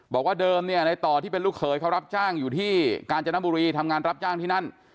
บอกว่าเดิมเนี่ยในต่อที่เป็นลูกเขยเขารับจ้างอยู่ที่กาญจนบุรีทำงานรับจ้างที่นั่น